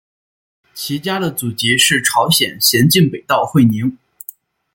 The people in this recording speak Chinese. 其家的祖籍是朝鲜咸镜北道会宁。